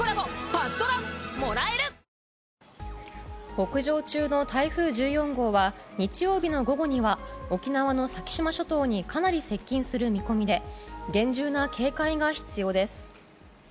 北上中の台風１４号は日曜日の午後には沖縄の先島諸島にかなり接近する見込みで厳重な警戒が必要です。